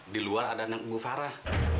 di luar ada anak bu farah